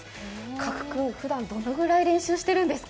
加来君、ふだんどれぐらい練習しているんですか？